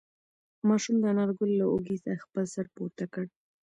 ماشوم د انارګل له اوږې څخه خپل سر پورته کړ.